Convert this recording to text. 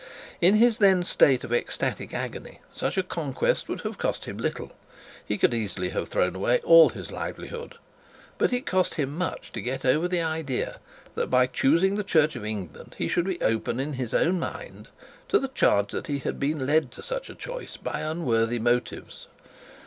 In his then state of ecstatic agony such a conquest would have cost him little; but it cost him much to get over the idea of choosing the Church of England he should be open in his own mind to the charge that he had been led to such a choice by unworthy motives.